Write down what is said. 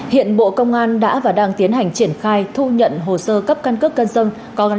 hiện bộ công an đã và đang tiến hành triển khai thu nhận hồ sơ cấp căn cước cân dân